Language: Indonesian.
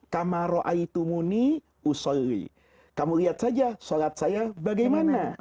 kamu lihat saja sholat saya bagaimana